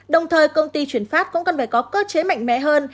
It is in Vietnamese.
đồng thời công ty chuyển phát cũng cần phải có cơ chế mạnh mẽ hơn